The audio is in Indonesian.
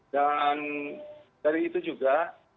dan dari itu juga